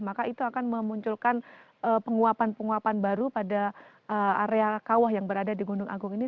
maka itu akan memunculkan penguapan penguapan baru pada area kawah yang berada di gunung agung ini